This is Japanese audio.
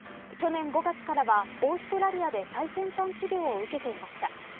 去年５月からはオーストラリアで最先端治療を受けていました。